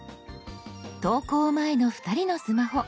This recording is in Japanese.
投稿前の２人のスマホ。